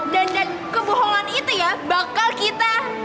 dan dan kebohongan itu ya bakal kita